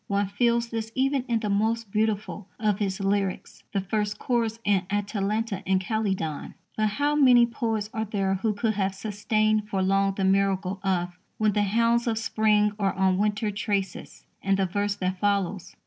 One feels this even in that most beautiful of his lyrics, the first chorus in Atalanta in Calydon. But how many poets are there who could have sustained for long the miracle of "When the hounds of spring are on winter traces," and the verse that follows?